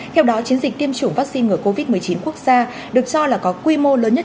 theo đó chiến dịch tiêm chủng vaccine ngừa covid một mươi chín quốc gia được cho là có quy mô lớn nhất